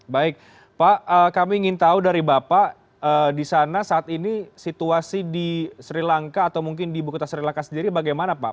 baik pak kami ingin tahu dari bapak di sana saat ini situasi di sri lanka atau mungkin di buku tasri laka sendiri bagaimana pak